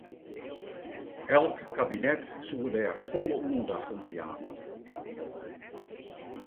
Elk kabinet soe dêr de folle oandacht oan jaan moatte.